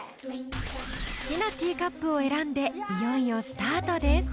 ［好きなティーカップを選んでいよいよスタートです］